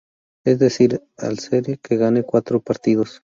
Es decir, serie al que gane cuatro partidos.